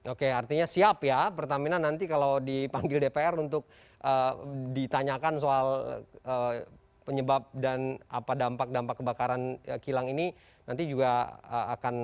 oke artinya siap ya pertamina nanti kalau dipanggil dpr untuk ditanyakan soal penyebab dan apa dampak dampak kebakaran kilang ini nanti juga akan